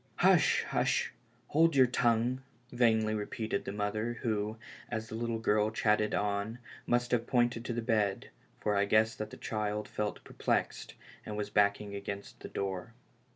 " Hush, hush. Hold your tongue," vainly repeated the mother, who, as the little girl chattered on, must have pointed to the bed, for I guessed that the child felt perplexed, and was backing against the door.